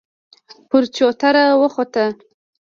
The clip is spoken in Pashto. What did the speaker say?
پر چوتره وخوت.